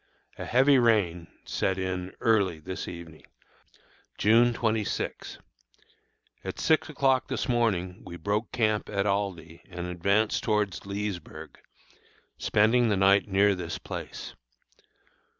A heavy rain set in early this evening. June 26. At six o'clock this morning we broke camp at Aldie and advanced towards Leesburg, spending the night near this place.